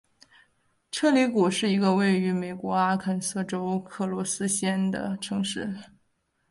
彻里谷是一个位于美国阿肯色州克罗斯县的城市。